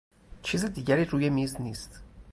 چیز دیگری روی میز نیست.